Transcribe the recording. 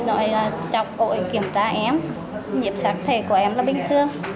ôi kiểm tra em nhiệm sắc thể của em là bình thường